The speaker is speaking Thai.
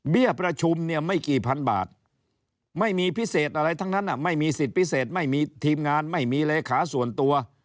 ประชุมเนี่ยไม่กี่พันบาทไม่มีพิเศษอะไรทั้งนั้นไม่มีสิทธิ์พิเศษไม่มีทีมงานไม่มีเลขาส่วนตัว